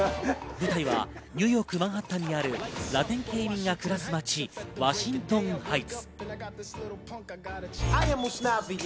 舞台はニューヨーク・マンハッタンにあるラテン系移民が暮らす街ワシントン・ハイツ。